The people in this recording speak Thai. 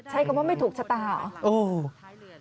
ใช้คำว่าไม่ถูกชะตาเหรอ